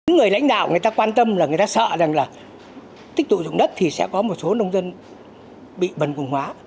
người lãnh đạo người ta quan tâm là người ta sợ rằng là tích tụ dụng đất thì sẽ có một số nông dân bị bần cùng hóa